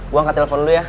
gua angkat telepon dulu ya